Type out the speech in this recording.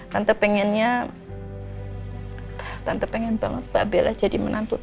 tante pengennya tante pengen banget mbak bella jadi menantu